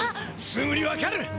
すぐに分かる。